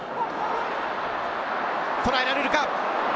こらえられるか？